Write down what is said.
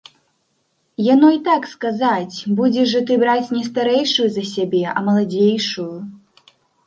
Яно і так сказаць, будзеш жа ты браць не старэйшую за сябе, а маладзейшую.